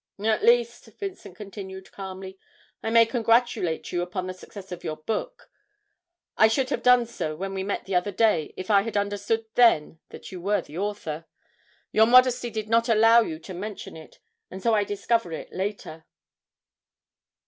'At least,' Vincent continued calmly, 'I may congratulate you upon the success of your book. I should have done so when we met the other day if I had understood then that you were the author. Your modesty did not allow you to mention it, and so I discover it later.'